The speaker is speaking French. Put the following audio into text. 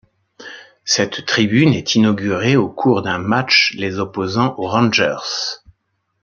Cette tribune est inaugurée au cours d'un match les opposant aux Rangers.